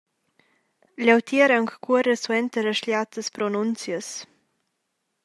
Leutier aunc cuorer suenter a schliattas pronunzias.